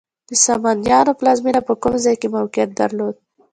د سامانیانو پلازمینه په کوم ځای کې موقعیت درلود؟